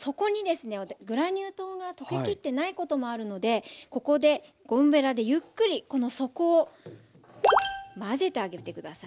グラニュー糖が溶けきってないこともあるのでここでゴムべらでゆっくりこの底を混ぜてあげて下さい。